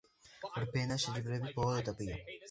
რბენა შეჯიბრების ბოლო ეტაპია.